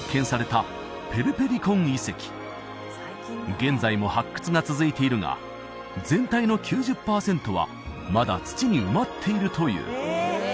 現在も発掘が続いているが全体の９０パーセントはまだ土に埋まっているという